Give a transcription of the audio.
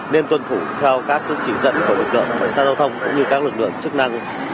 nên tuân thủ theo các chỉ dẫn của lực lượng cảnh sát giao thông cũng như các lực lượng chức năng